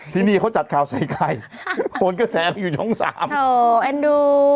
ที่นี่เขาจัดข่าวใส่ใครโหนกระแสอยู่ช่องสามโถแอนดู